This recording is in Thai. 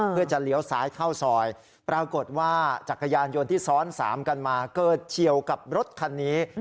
เพื่อจะเลี้ยวซ้ายเข้าซอยปรากฏว่าจักรยานยนต์ที่ซ้อน๓กันมาเกิดเฉียวกับรถคันนี้